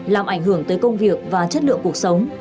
làm ảnh hưởng tới công việc và chất lượng cuộc sống